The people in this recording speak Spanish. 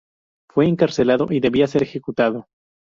Fue encarcelado y debía ser ejecutado.